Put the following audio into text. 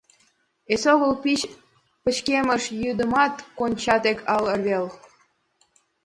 Эсогыл пич пычкемыш йӱдымат Конча тек ал эрвел…